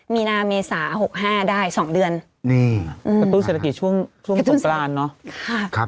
มีนาเมษาหกห้าได้สองเดือนนี่อืมอืมตู้เศรษฐกิจช่วงช่วงสมปรารเนาะ